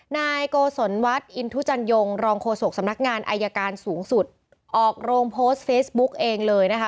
นายโกศลวัฒน์อินทุจันยงรองโฆษกสำนักงานอายการสูงสุดออกโรงโพสต์เฟซบุ๊กเองเลยนะคะ